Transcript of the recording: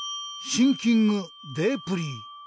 シンキングデープリー。